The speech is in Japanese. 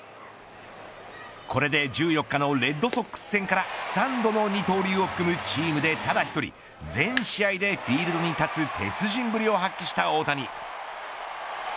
これで１４日のレッドソックス戦から３度の二刀流を含むチームでただ１人全試合でフィールドに立つ鉄人ぶりを発揮した大谷。